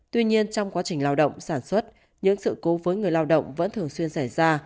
tuy nhiên trong quá trình lao động sản xuất những sự cố với người lao động vẫn thường xuyên xảy ra